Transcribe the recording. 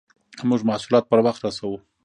موږ محصولات پر وخت رسوو.